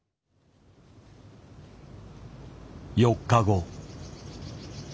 ４日後。